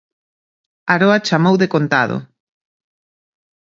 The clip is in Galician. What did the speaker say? Aroa chamou decontado.